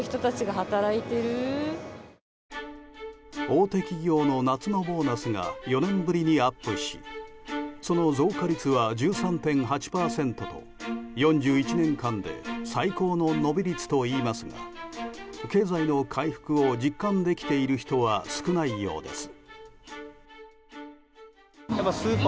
大手企業の夏のボーナスが４年ぶりにアップしその増加率は１３．８％と４１年間で最高の伸び率といいますが経済の回復を実感できている人は少ないようです。